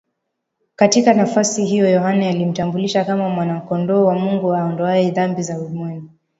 Katika nafasi hiyo Yohane alimtambulisha kama Mwanakondoo wa Mungu aondoaye dhambi ya ulimwengu